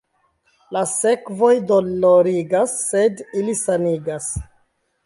La sekvoj dolorigas, sed ili sanigas.